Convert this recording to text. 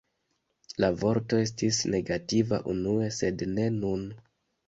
La vorto estis negativa unue, sed ne nun.